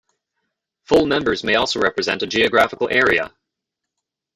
Full Members may also represent a geographical area.